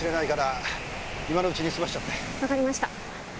分かりました。